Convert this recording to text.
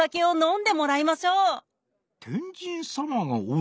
ん。